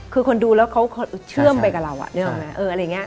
คือคนดูแล้วเขาเชื่อมไปกับเรานึกออกไหมอะไรอย่างนี้